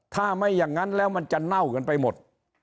ถ้าไม่อย่างนั้นแล้วมันจะเน่ากันไปหมด